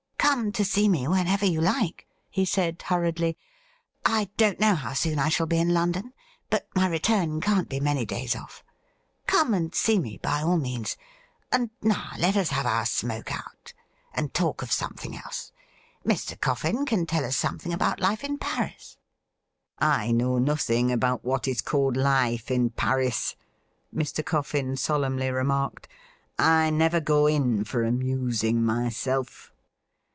' Come to see me whenever you like,' he said hurriedly. ' I don't know how soon I shall be in London, but my return can't be many days off. Come and see me, by all means ; and now let us have our smoke out, and talk of something else. Mr. Coffin can tell us something about life in Paris.' ' I know nothing about what is called life in Parisj' Mr. Coffin solemnly remarked. ' I never go in for amusing myself.'